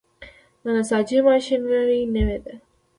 د نساجي ماشینري نوې ده؟